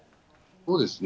そうですね。